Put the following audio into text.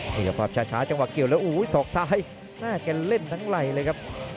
เท่าไหร่กับภาพชาจังหวะเกี่ยวแล้วโอ้วศอกซ้ายน่ากันเล่นทั้งไหล่เลยครับ